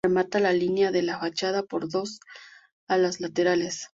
Se remata la línea de la fachada por dos alas laterales.